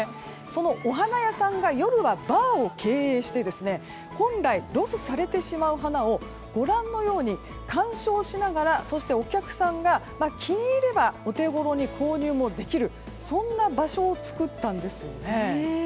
そのお花屋さんが夜はバーを経営して本来、ロスされてしまう花をご覧のように観賞しながら、そしてお客さんが気に入ればお手ごろに購入もできるそんな場所を作ったんですよね。